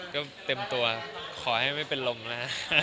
ก็เต็มตัวขอให้ไม่เป็นลมนะ